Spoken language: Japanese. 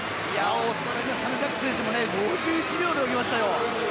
オーストラリアの選手も５１秒で泳ぎましたよ。